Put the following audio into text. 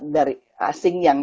dari asing yang